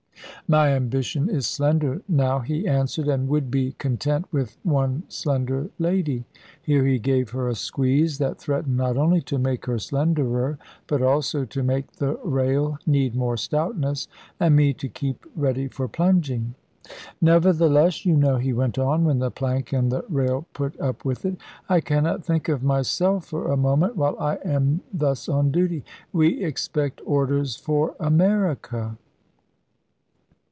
"My ambition is slender now," he answered, "and would be content with one slender lady." Here he gave her a squeeze, that threatened not only to make her slenderer, but also to make the rail need more stoutness, and me to keep ready for plunging. "Nevertheless, you know," he went on, when the plank and the rail put up with it, "I cannot think of myself for a moment, while I am thus on duty. We expect orders for America."